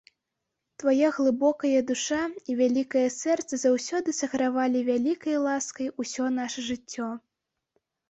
Твая глыбокая душа і вялікае сэрца заўсёды сагравалі вялікай ласкай усё наша жыццё.